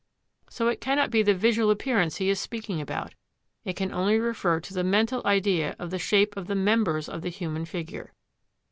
So it cannot be the visual appearance he is speaking about. It can only refer to the mental idea of the shape of the members of the human figure.